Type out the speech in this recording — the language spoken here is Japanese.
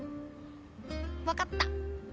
わかった。